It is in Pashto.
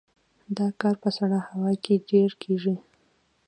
دا کار په سړه هوا کې ډیر کیږي